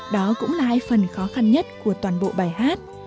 đó cũng là hai phần khó khăn nhất của toàn bộ bài hát